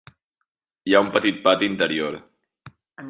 Hi ha un petit pati interior.